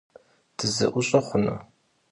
Dıze'uş'e xhunu?